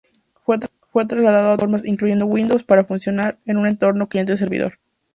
Fue trasladado a otras plataformas, incluyendo Windows, para funcionar en un entorno cliente-servidor.